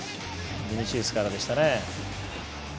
ビニシウスからでしたね。